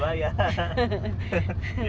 biar masing masing ya